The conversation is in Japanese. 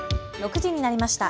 ６時になりました。